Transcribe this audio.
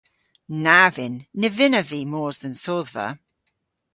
Na vynn. Ny vynnav vy mos dhe'n sodhva